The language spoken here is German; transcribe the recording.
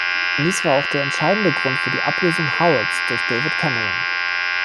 Dies war auch der entscheidende Grund für die Ablösung Howards durch David Cameron.